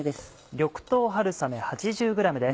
緑豆春雨８０ｇです。